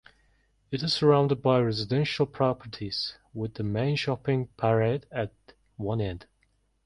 It is surrounded by residential properties, with the main shopping parade at one end.